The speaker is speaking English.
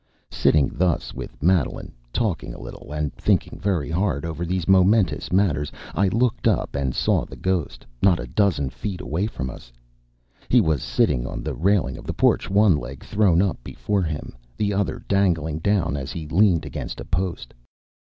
Sitting thus with Madeline, talking a little, and thinking very hard over these momentous matters, I looked up and saw the ghost, not a dozen feet away from us. He was sitting on the railing of the porch, one leg thrown up before him, the other dangling down as he leaned against a post.